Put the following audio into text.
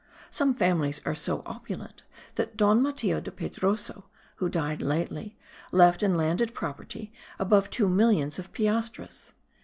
Some families are so opulent that Don Matheo de Pedroso, who died lately, left in landed property above two millions of piastres.